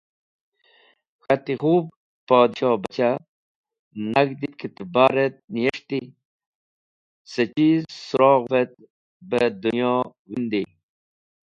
K̃hati, khub Podhshohbachah! Nag̃hd ki trẽbaret niyes̃hti ce chiz surogh’vet beh dũnyo windey?